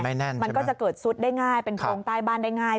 มันไม่แน่นใช่ไหมมันก็จะเกิดซุดได้ง่ายเป็นโครงใต้บ้านได้ง่าย